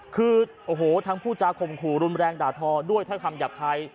คือโอ้โหทั้งผู้จาข่มขู่รุนแรงด่าทอด้วยถ้าคำหยาบคาย